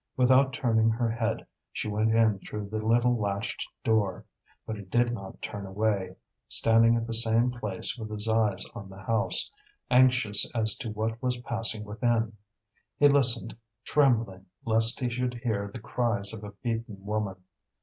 Without turning her head, she went in through the little latched door. But he did not turn away, standing at the same place with his eyes on the house, anxious as to what was passing within. He listened, trembling lest he should hear the cries of a beaten woman.